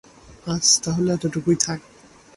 আজ তাহলে এটুকুই থাক।